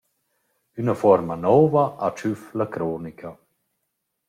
Üna fuorma nouva ha tschüf la cronica.